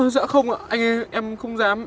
dạ không ạ anh em không dám